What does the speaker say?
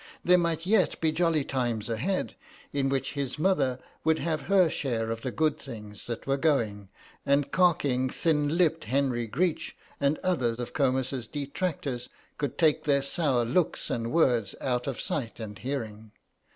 There might yet be jolly times ahead, in which his mother would have her share of the good things that were going, and carking thin lipped Henry Greech and other of Comus's detractors could take their sour looks and words out of sight and hearing.